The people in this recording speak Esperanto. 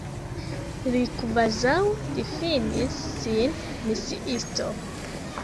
Li kvazaŭ difinis sin misiisto.